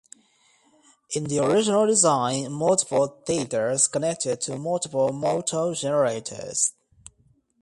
In the original design, multiple tethers connected to multiple motor generators.